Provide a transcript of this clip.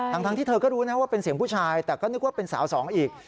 ทั้งที่เธอก็รู้นะว่าเป็นเสียงผู้ชายแต่ก็นึกว่าเป็นสาวสองอีก